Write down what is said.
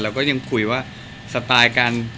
ก็ยังคุยว่าสไตล์การ